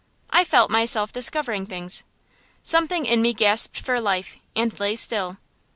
I felt myself discovering things. Something in me gasped for life, and lay still.